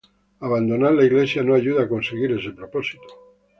Abandonar la Iglesia no ayuda a conseguir ese propósito.